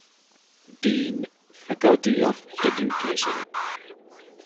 ޑީން، ފެކަލްޓީ އޮފް އެޑިއުކޭޝަން